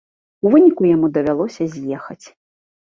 У выніку яму давялося з'ехаць.